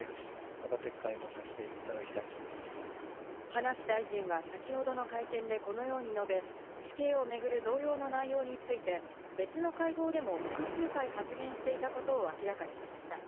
葉梨大臣は先ほどの会見でこのように述べ、死刑をめぐる同様の内容について、別の会合でも複数回発言していたことを明らかにしました。